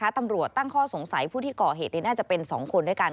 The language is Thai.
ตำรวจตั้งข้อสงสัยผู้ที่ก่อเหตุน่าจะเป็น๒คนด้วยกัน